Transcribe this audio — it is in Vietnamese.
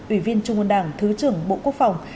ủy viên trung ương đảng thứ trưởng bộ quốc phòng